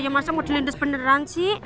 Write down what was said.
ya masa mau dilindas beneran sih